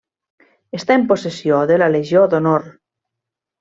Està en possessió de la Legió d'Honor.